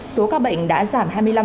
số ca bệnh đã giảm hai mươi năm